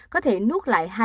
có thể nuốt lại hai đứa